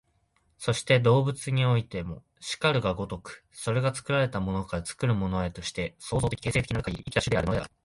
そして動物においても然るが如く、それが作られたものから作るものへとして、創造的形成的なるかぎり生きた種であるのである。